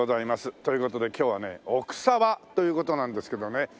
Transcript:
という事で今日はね奥沢という事なんですけどね。